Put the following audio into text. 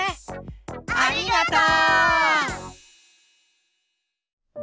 ありがとう！